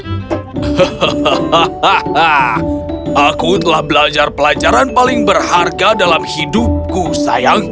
hahaha aku telah belajar pelajaran paling berharga dalam hidupku sayang